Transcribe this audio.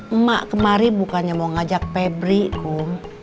emak kemarin bukannya mau ngajak pebri kum